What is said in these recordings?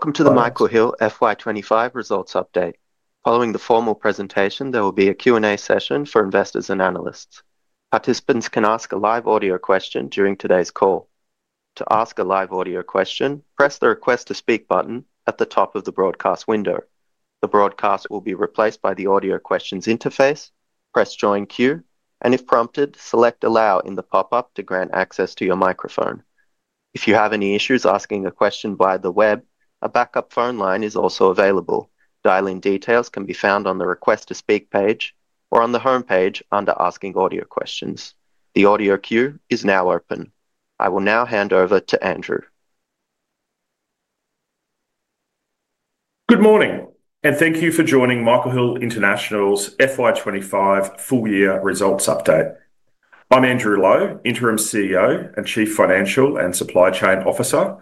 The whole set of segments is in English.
Welcome to the Michael Hill FY2025 Results Update. Following the formal presentation, there will be a Q&A session for investors and analysts. Participants can ask a live audio question during today's call. To ask a live audio question, press the "Request to Speak" button at the top of the broadcast window. The broadcast will be replaced by the audio questions interface. Press "Join Queue," and if prompted, select "Allow" in the pop-up to grant access to your microphone. If you have any issues asking a question via the web, a backup phone line is also available. Dial-in details can be found on the "Request to Speak" page or on the homepage under "Asking Audio Questions." The audio queue is now open. I will now hand over to Andrew. Good morning, and thank you for joining Michael Hill International's FY2025 Full-Year Results Update. I'm Andrew Lowe, Interim CEO and Chief Financial and Supply Chain Officer.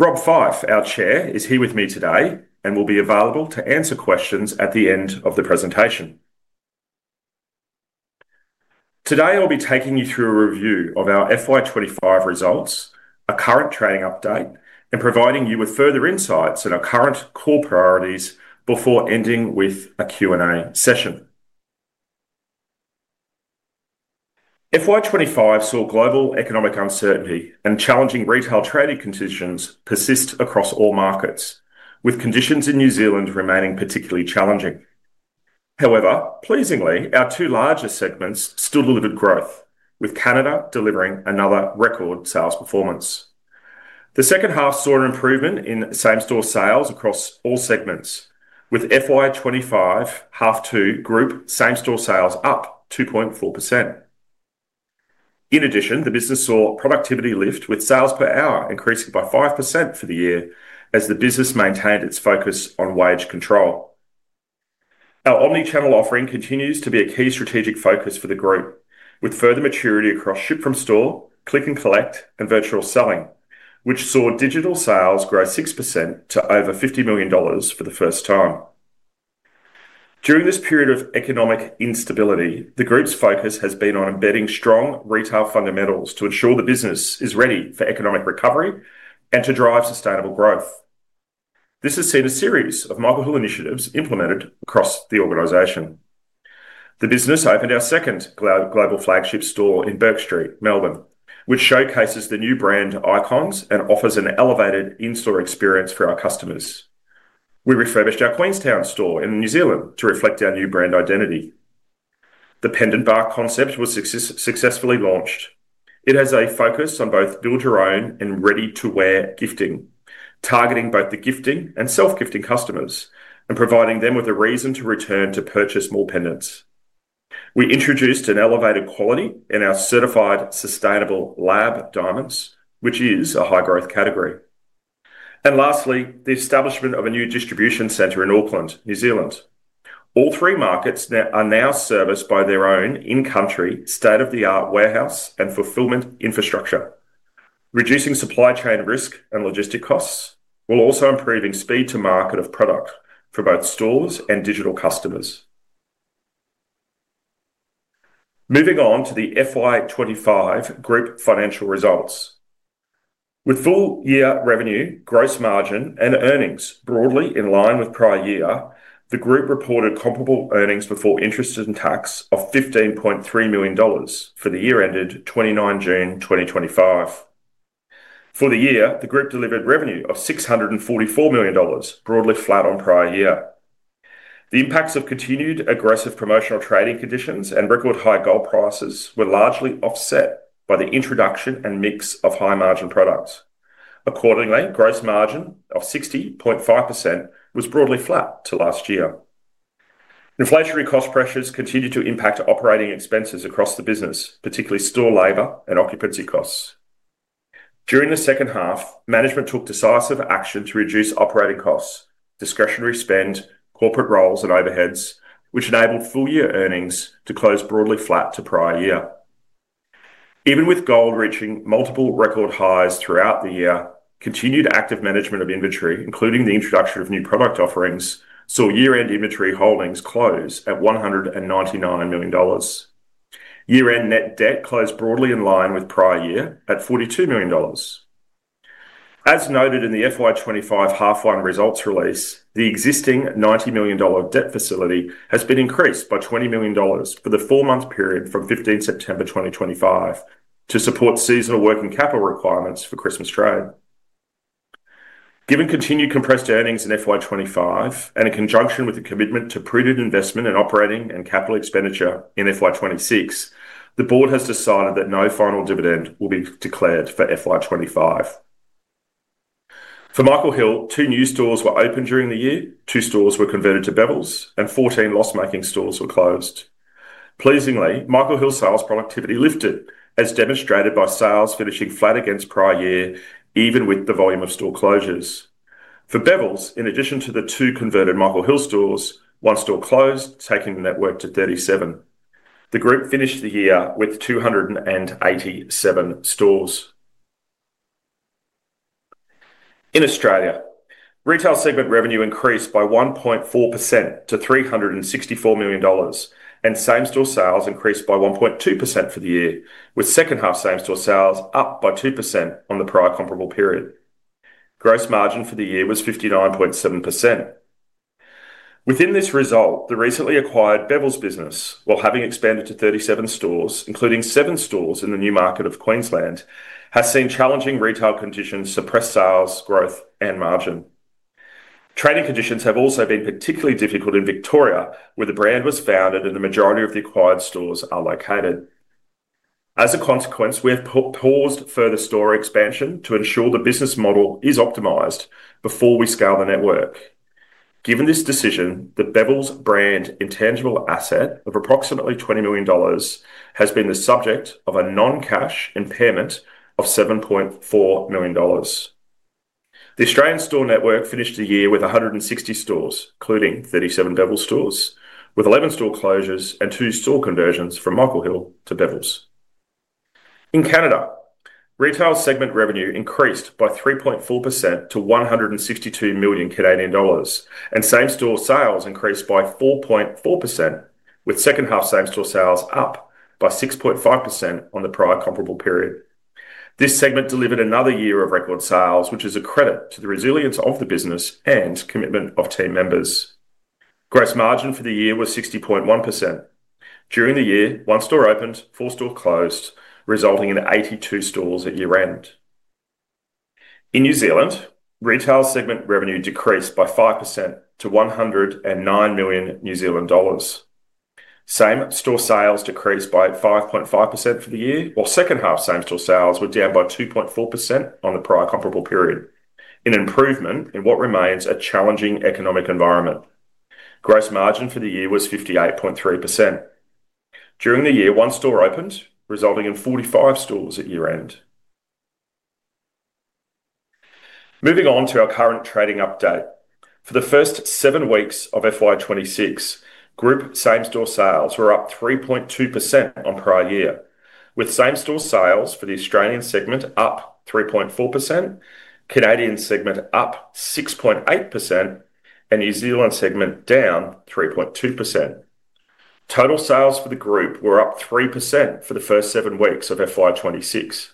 Rob Fyfe, our Chair, is here with me today and will be available to answer questions at the end of the presentation. Today, I'll be taking you through a review of our FY2025 results, a current trading update, and providing you with further insights on our current core priorities before ending with a Q&A session. FY2025 saw global economic uncertainty and challenging retail trading conditions persist across all markets, with conditions in New Zealand remaining particularly challenging. However, pleasingly, our two larger segments still delivered growth, with Canada delivering another record sales performance. The second half saw an improvement in same-store sales across all segments, with FY2025 half two group same-store sales up 2.4%. In addition, the business saw productivity lift, with sales per hour increasing by 5% for the year as the business maintained its focus on wage control. Our omnichannel offering continues to be a key strategic focus for the group, with further maturity across ship-from-store, click-and-collect, and virtual selling, which saw digital sales grow 6% to over $50 million for the first time. During this period of economic instability, the group's focus has been on embedding strong retail fundamentals to ensure the business is ready for economic recovery and to drive sustainable growth. This has seen a series of Michael Hill International Ltd initiatives implemented across the organization. The business opened our second global flagship store in Burke Street, Melbourne, which showcases the new brand icons and offers an elevated in-store experience for our customers. We refurbished our Queenstown store in New Zealand to reflect our new brand identity. The Michael Hill Pendant Bar concept was successfully launched. It has a focus on both 'build your own' and 'ready-to-wear' gifting, targeting both the gifting and self-gifting customers and providing them with a reason to return to purchase more pendants. We introduced an elevated quality in our certified sustainable lab diamonds, which is a high-growth category. Lastly, the establishment of a new distribution centre in Auckland, New Zealand. All three markets are now serviced by their own in-country, state-of-the-art warehouse and fulfillment infrastructure, reducing supply chain risk and logistic costs, while also improving speed to market of product for both stores and digital customers. Moving on to the FY2025 Group Financial Results. With full-year revenue, gross margin, and earnings broadly in line with prior year, The Group reported comparable EBIT of $15.3 million for the year ended 29 June 2025. For the year, The Group delivered revenue of $644 million, broadly flat on prior year. The impacts of continued aggressive promotional trading conditions and record-high gold prices were largely offset by the introduction and mix of high-margin products. Accordingly, gross margin of 60.5% was broadly flat to last year. Inflationary cost pressures continued to impact operating expenses across the business, particularly store labor and occupancy costs. During the second half, management took decisive action to reduce operating costs, discretionary spend, corporate roles, and overheads, which enabled full-year earnings to close broadly flat to prior year. Even with gold reaching multiple record highs throughout the year, continued active management of inventory, including the introduction of new product offerings, saw year-end inventory holdings close at $199 million. Year-end net debt closed broadly in line with prior year at $42 million. As noted in the FY2025 half-one results release, the existing $90 million debt facility has been increased by $20 million for the four-month period from 15 September 2025 to support seasonal working capital requirements for Christmas trade. Given continued compressed earnings in FY2025 and in conjunction with the commitment to prudent investment in operating and capital expenditure in FY2026, the Board has decided that no final dividend will be declared for FY2025. For Michael Hill, two new stores were opened during the year, two stores were converted to Bevilles, and 14 loss-making stores were closed. Pleasingly, Michael Hill sales productivity lifted, as demonstrated by sales finishing flat against prior year, even with the volume of store closures. For Bevilles, in addition to the two converted Michael Hill stores, one store closed, taking the net worth to 37. The group finished the year with 287 stores. In Australia, retail segment revenue increased by 1.4% to $364 million, and same-store sales increased by 1.2% for the year, with second-half same-store sales up by 2% on the prior comparable period. Gross margin for the year was 59.7%. Within this result, the recently acquired Bevilles business, while having expanded to 37 stores, including seven stores in the new market of Queensland, has seen challenging retail conditions suppress sales, growth, and margin. Trading conditions have also been particularly difficult in Victoria, where the brand was founded and the majority of the acquired stores are located. As a consequence, we have paused further store expansion to ensure the business model is optimized before we scale the network. Given this decision, the Bevilles brand intangible asset of approximately $20 million has been the subject of a non-cash impairment of $7.4 million. The Australian store network finished the year with 160 stores, including 37 Bevilles stores, with 11 store closures and two store conversions from Michael Hill to Bevilles. In Canada, retail segment revenue increased by 3.4% to 162 million Canadian dollars, and same-store sales increased by 4.4%, with second-half same-store sales up by 6.5% on the prior comparable period. This segment delivered another year of record sales, which is a credit to the resilience of the business and commitment of team members. Gross margin for the year was 60.1%. During the year, one store opened, four stores closed, resulting in 82 stores at year-end. In New Zealand, retail segment revenue decreased by 5% to $109 million New Zealand dollars. Same-store sales decreased by 5.5% for the year, while second-half same-store sales were down by 2.4% on the prior comparable period, an improvement in what remains a challenging economic environment. Gross margin for the year was 58.3%. During the year, one store opened, resulting in 45 stores at year-end. Moving on to our current trading update. For the first seven weeks of FY2026, group same-store sales were up 3.2% on prior year, with same-store sales for the Australian segment up 3.4%, Canadian segment up 6.8%, and New Zealand segment down 3.2%. Total sales for the group were up 3% for the first seven weeks of FY2026.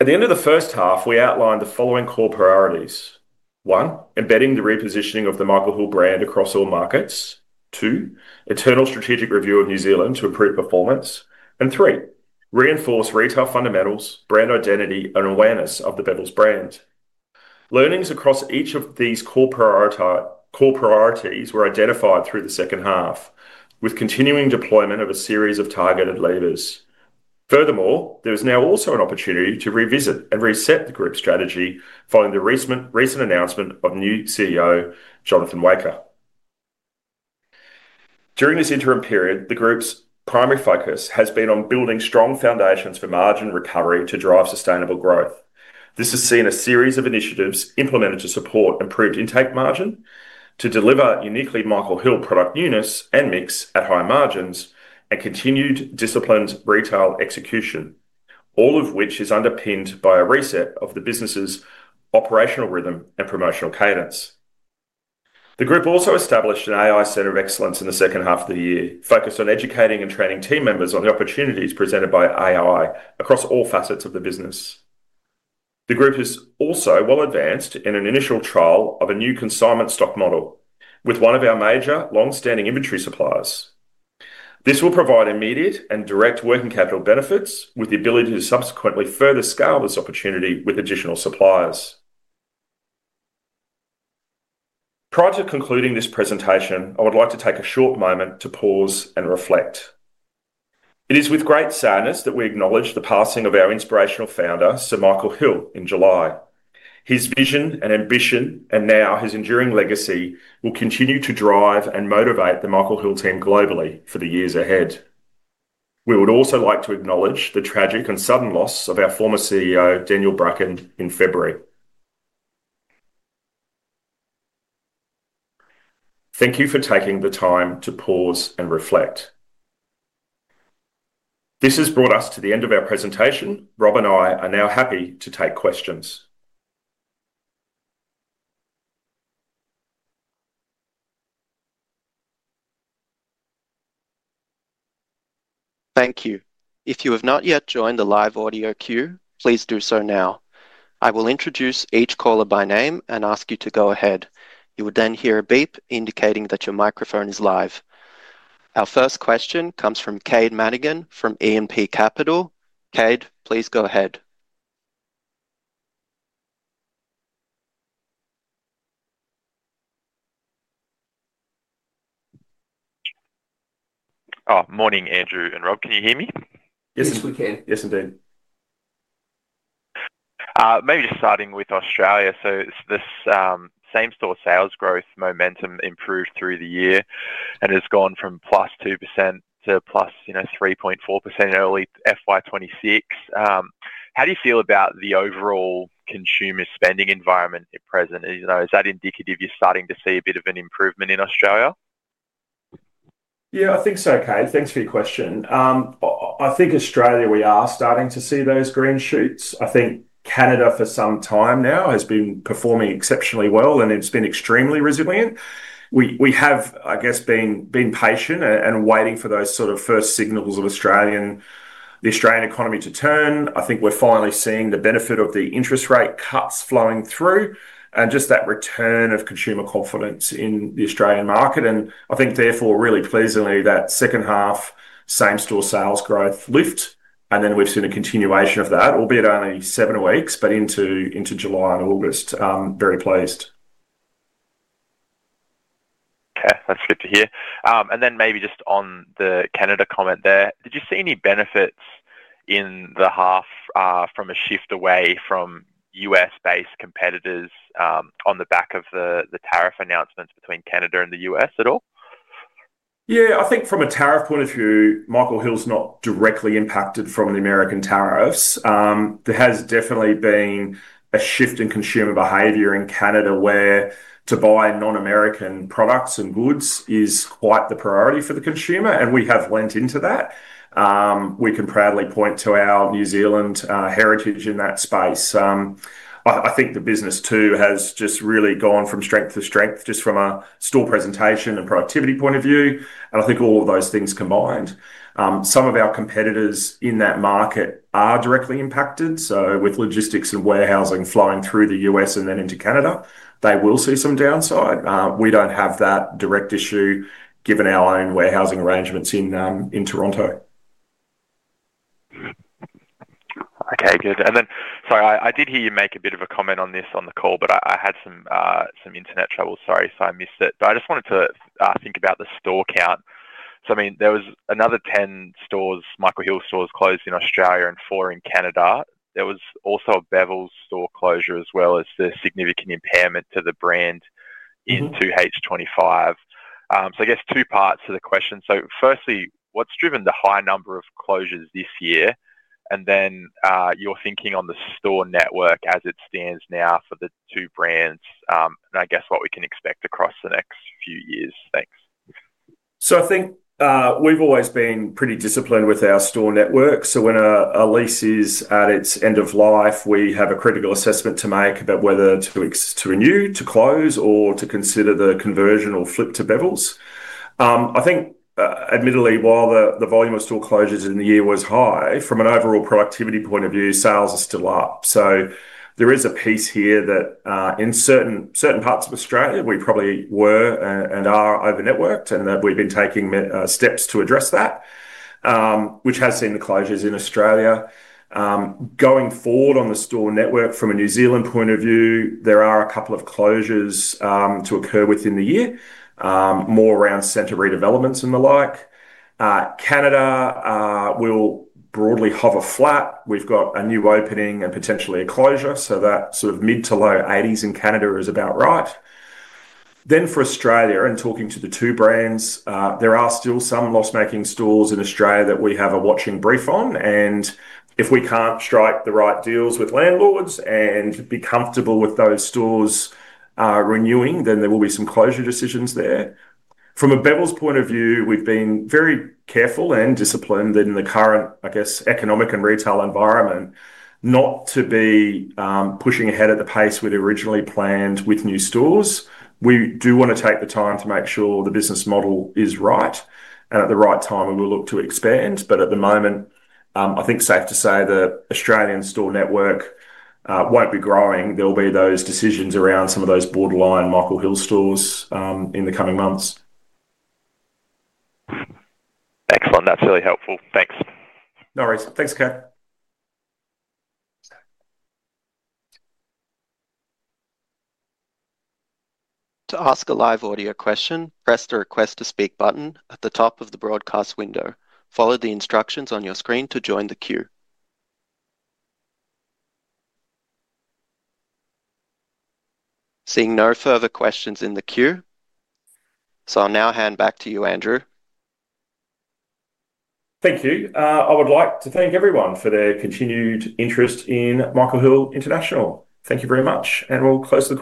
At the end of the first half, we outlined the following core priorities: one, embedding the repositioning of the Michael Hill brand across all markets; two, internal strategic review of New Zealand to improve performance; and three, reinforce retail fundamentals, brand identity, and awareness of the Bevilles brand. Learnings across each of these core priorities were identified through the second half, with continuing deployment of a series of targeted levers. Furthermore, there is now also an opportunity to revisit and reset the group strategy following the recent announcement of new CEO Jonathan Waecker. During this interim period, the group's primary focus has been on building strong foundations for margin recovery to drive sustainable growth. This has seen a series of initiatives implemented to support improved intake margin, to deliver uniquely Michael Hill product units and mix at high margins, and continued disciplined retail execution, all of which is underpinned by a reset of the business's operational rhythm and promotional cadence. The group also established an AI Centre of Excellence in the second half of the year, focused on educating and training team members on the opportunities presented by AI across all facets of the business. The group has also well advanced in an initial trial of a new consignment stock model with one of our major long-standing inventory suppliers. This will provide immediate and direct working capital benefits, with the ability to subsequently further scale this opportunity with additional suppliers. Prior to concluding this presentation, I would like to take a short moment to pause and reflect.It is with great sadness that we acknowledge the passing of our inspirational founder, Sir Michael Hill, in July. His vision and ambition, and now his enduring legacy, will continue to drive and motivate the Michael Hill team globally for the years ahead. We would also like to acknowledge the tragic and sudden loss of our former CEO, Daniel Bracken, in February. Thank you for taking the time to pause and reflect. This has brought us to the end of our presentation. Rob and I are now happy to take questions. Thank you. If you have not yet joined the live audio queue, please do so now. I will introduce each caller by name and ask you to go ahead. You will then hear a beep indicating that your microphone is live. Our first question comes from Kade Madigan from E&P Capital. Cade, please go ahead. Morning, Andrew and Rob. Can you hear me? Yes, we can. Yes, indeed. Maybe just starting with Australia. The same-store sales growth momentum improved through the year and has gone from +2% to +3.4% in early FY2026. How do you feel about the overall consumer spending environment at present? Is that indicative you're starting to see a bit of an improvement in Australia? Yeah, I think so, Cade. Thanks for your question. I think Australia, we are starting to see those green shoots. I think Canada for some time now has been performing exceptionally well and has been extremely resilient. We have been patient and waiting for those sort of first signals of the Australian economy to turn. I think we're finally seeing the benefit of the interest rate cuts flowing through and just that return of consumer confidence in the Australian market. I think, therefore, really pleasingly, that second half same-store sales growth lift. We've seen a continuation of that, albeit only seven weeks, but into July and August. Very pleased. That's good to hear. Maybe just on the Canada comment there, did you see any benefits in the half from a shift away from U.S.-based competitors on the back of the tariff announcements between Canada and the U.S. at all? Yeah, I think from a tariff point of view, Michael Hill is not directly impacted from the American tariffs. There has definitely been a shift in consumer behavior in Canada where to buy non-American products and goods is quite the priority for the consumer, and we have lent into that. We can proudly point to our New Zealand heritage in that space. I think the business too has just really gone from strength to strength just from a store presentation and productivity point of view. I think all of those things combined, some of our competitors in that market are directly impacted. With logistics and warehousing flowing through the U.S. and then into Canada, they will see some downside. We don't have that direct issue given our own warehousing arrangements in Toronto. Okay, good. Sorry, I did hear you make a bit of a comment on this on the call, but I had some internet trouble. Sorry, I missed it. I just wanted to think about the store count. I mean, there were another 10 Michael Hill stores closed in Australia and four in Canada. There was also a Bevilles store closure as well as the significant impairment to the brand in 2H2025. I guess two parts to the question. Firstly, what's driven the high number of closures this year? Your thinking on the store network as it stands now for the two brands and what we can expect across the next few years. Thanks. I think we've always been pretty disciplined with our store network. When a lease is at its end of life, we have a critical assessment to make about whether to renew, to close, or to consider the conversion or flip to Bevilles. Admittedly, while the volume of store closures in the year was high, from an overall productivity point of view, sales are still up. There is a piece here that in certain parts of Australia, we probably were and are over-networked and we've been taking steps to address that, which has seen the closures in Australia. Going forward on the store network from a New Zealand point of view, there are a couple of closures to occur within the year, more around centre redevelopments and the like. Canada will broadly hover flat. We've got a new opening and potentially a closure. That sort of mid to low 80s in Canada is about right. For Australia, and talking to the two brands, there are still some loss-making stores in Australia that we have a watching brief on. If we can't strike the right deals with landlords and be comfortable with those stores renewing, there will be some closure decisions there. From a Bevilles point of view, we've been very careful and disciplined in the current economic and retail environment not to be pushing ahead at the pace we'd originally planned with new stores. We do want to take the time to make sure the business model is right and at the right time we will look to expand. At the moment, I think it's safe to say that the Australian store network won't be growing. There will be those decisions around some of those borderline Michael Hill stores in the coming months. Excellent. That's really helpful. Thanks. No worries. Thanks, Ken. To ask a live audio question, press the 'Request to Speak' button at the top of the broadcast window. Follow the instructions on your screen to join the queue. Seeing no further questions in the queue, I'll now hand back to you, Andrew. Thank you. I would like to thank everyone for their continued interest in Michael Hill International. Thank you very much, and we'll close the call.